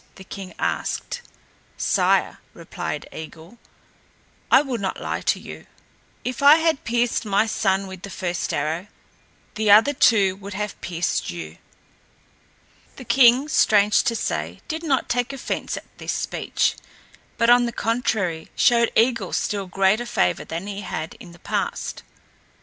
the king asked. "Sire," replied Eigil, "I will not lie to you. If I had pierced my son with the first arrow, the other two would have pierced you." The king, strange to say, did not take offense at this speech, but on the contrary showed Eigil still greater favor than he had in the past.